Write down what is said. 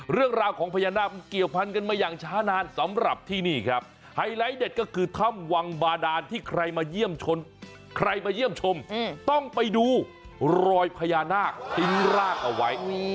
เรื่องราวของพญานาคมันเกี่ยวพันกันมาอย่างช้านานสำหรับที่นี่ครับไฮไลท์เด็ดก็คือถ้ำวังบาดานที่ใครมาใครมาเยี่ยมชมต้องไปดูรอยพญานาคทิ้งรากเอาไว้